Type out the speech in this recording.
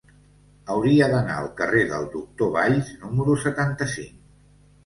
Hauria d'anar al carrer del Doctor Valls número setanta-cinc.